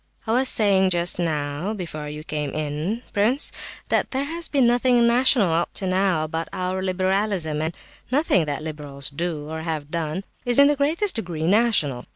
"I was saying just now, before you came in, prince, that there has been nothing national up to now, about our liberalism, and nothing the liberals do, or have done, is in the least degree national.